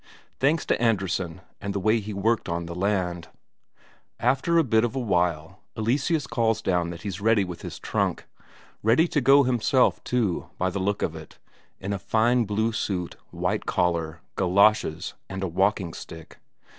Thanks to Andresen and the way he worked on the land. After a bit of a while, Eleseus calls down that he's ready with his trunk. Ready to go himself, too, by the look of it; in a fine blue suit, white collar, galoshes, and a walking stick.